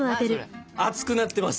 あっ熱くなってます。